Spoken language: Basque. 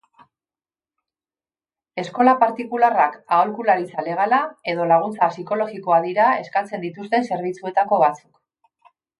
Eskola partikularrak, aholkularitza legala edo laguntza psikologikoa dira eskatzen dituzten zerbitzuetako batzuk.